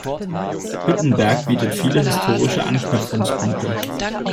Hüttenberg bietet viele historische Anknüpfungspunkte.